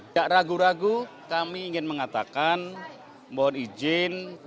tidak ragu ragu kami ingin mengatakan mohon izin partai berkarya menargetkan delapan puluh kursi dprk